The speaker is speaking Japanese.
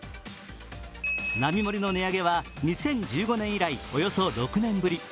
並盛りの値上げは２０１５年以来およそ６年ぶり。